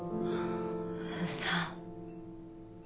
さあ。